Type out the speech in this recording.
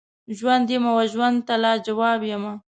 ژوند یمه وژوند ته لاجواب یمه